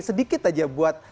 sedikit aja buat